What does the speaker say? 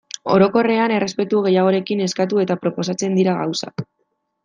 Orokorrean errespetu gehiagorekin eskatu eta proposatzen dira gauzak.